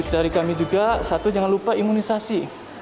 dari kami juga satu jangan lupa imunisasi